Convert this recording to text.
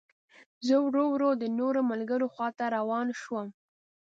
زه ورو ورو د نورو ملګرو خوا ته روان شوم.